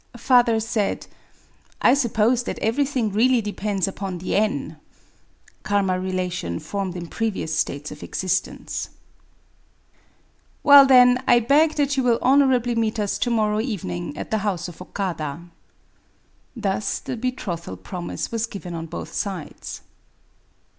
" Father said :—" I suppose that everything really depends upon the En [karTna relation formed in previous states of existence'^ .... Well, then, I beg that you will honourably meet us to mor row evening at the house of Okada." Thus the betrothal promise was given on both sides.